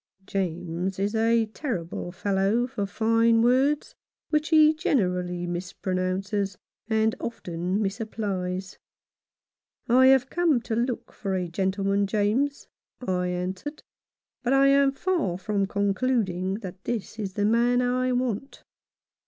James is a terrible fellow for fine words, which he generally mispronounces and often misapplies. " I have come to look for a gentleman, James," I answered, "but I am far from concluding that this is the man I want."